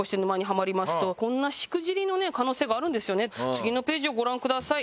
次のページをご覧ください。